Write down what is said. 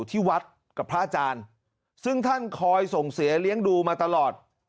ที่วัดกับพระอาจารย์ซึ่งท่านคอยส่งเสียเลี้ยงดูมาตลอด